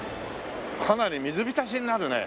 かなり水浸しになるね。